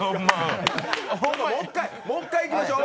もう一回いきましょう。